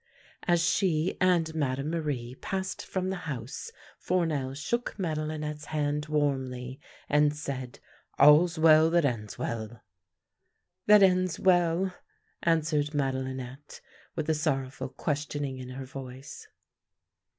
As she and Madame Marie passed from the house, 72 THE LANE THAT HAD NO TURNING Foiirnel shook Madelinette's hand warmly and said: "' All's well that ends well.' ""' That ends well! '" answered Madelinette, with a sorrowful questioning in her voice.